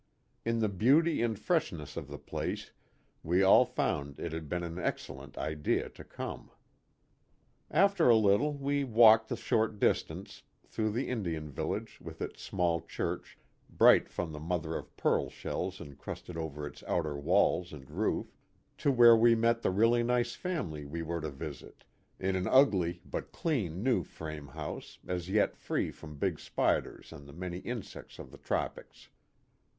In the beauty and fresh ness of the place we all found it had been an excellent idea to come. After a little we walked the short distance through the Indian village, with its small church, bright from the mother of pearl shells encrusted A PICNIC NEAR THE EQUATOR. 55 over its outer walls and roof to where we met the really nice family we were to visit in an ugly but clean new frame house as yet free from big Spiders and the many insects of the tropics.